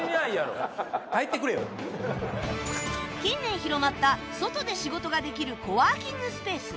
近年広まった外で仕事ができるコワーキングスペース